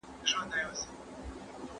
او پر تور مخ يې له بې واکو له بې نوره سترګو